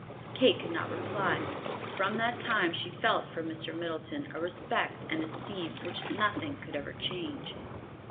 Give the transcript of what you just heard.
Kate could not reply, but from that time she felt for Mr. Middleton a respect and esteem which nothing could ever change.